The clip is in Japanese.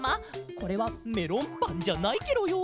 これはメロンパンじゃないケロよ。